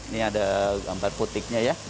ini ada gambar putiknya ya